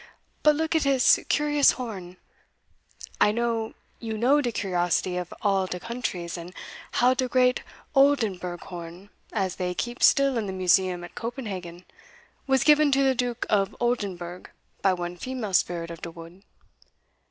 But look at this curious horn; I know, you know de curiosity of all de countries, and how de great Oldenburgh horn, as they keep still in the Museum at Copenhagen, was given to de Duke of Oldenburgh by one female spirit of de wood.